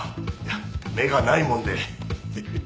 目がないもんで。